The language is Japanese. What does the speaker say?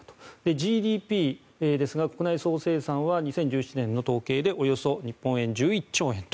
ＧＤＰ・国内総生産は２０１７年の統計でおよそ日本円で１１兆円と。